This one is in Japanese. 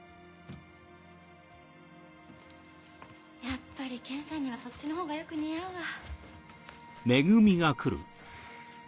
やっぱり剣さんにはそっちのほうがよく似合うわ。